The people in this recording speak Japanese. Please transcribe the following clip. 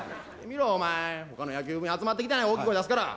見ろお前他の野球部員集まってきたやん大きい声出すから。